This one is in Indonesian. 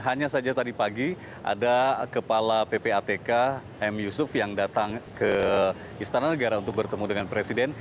hanya saja tadi pagi ada kepala ppatk m yusuf yang datang ke istana negara untuk bertemu dengan presiden